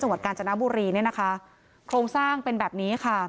จังหวัดกาญจนบุรีโครงสร้างเป็นแบบนี้